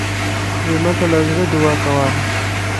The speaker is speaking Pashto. مېلمه ته له زړه دعا کوه.